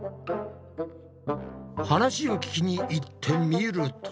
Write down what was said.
話を聞きに行ってみると。